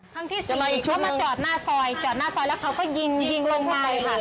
ทั้งที่ชัวมาจอดหน้าซอยจอดหน้าซอยแล้วเขาก็ยิงยิงลงมาเลยค่ะ